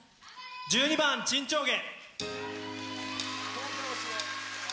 １２番「沈丁花」。